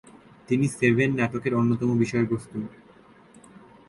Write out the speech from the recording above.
তিনি "সেভেন" নাটকের অন্যতম বিষয়বস্তু।